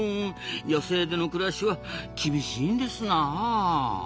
野生での暮らしは厳しいんですなあ。